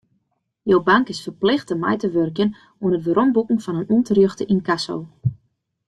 Jo bank is ferplichte mei te wurkjen oan it weromboeken fan de ûnterjochte ynkasso.